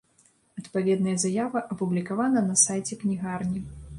Адпаведная заява апублікавана на сайце кнігарні.